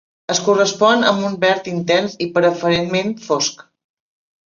Es correspon amb un verd intens i preferentment fosc.